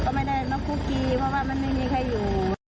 ก็ไม่ได้มาคุกทีเพราะว่ามันไม่มีใครอยู่